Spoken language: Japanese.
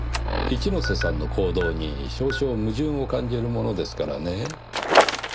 一之瀬さんの行動に少々矛盾を感じるものですからね。